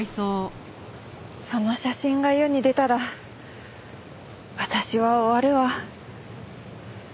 その写真が世に出たら私は終わるわ。